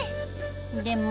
でも